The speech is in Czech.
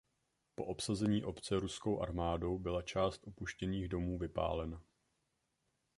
Po obsazení obce Ruskou armádou byla část opuštěných domů vypálena.